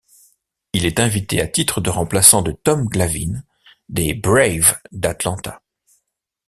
Il est invité à titre de remplaçant de Tom Glavine, des Braves d'Atlanta.